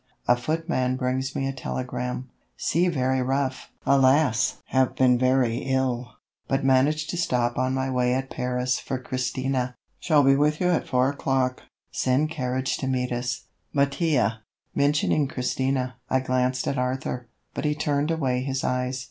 A footman brings me a telegram: "Sea very rough! Alas! Have been very ill, but managed to stop on my way at Paris for Christina. Shall be with you at 4 o'clock. Send carriage to meet us. MATTIA." Mentioning Christina, I glanced at Arthur, but he turned away his eyes.